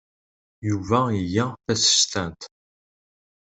Yuba iga tasestant.